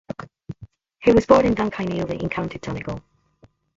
He was born in Dunkineely in County Donegal.